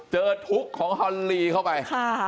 ทุกข์ของฮอนลีเข้าไป